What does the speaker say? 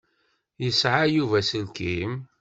Yesɛa Yuba aselkim?